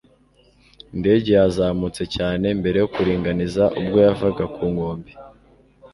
indege yazamutse cyane mbere yo kuringaniza ubwo yavaga ku nkombe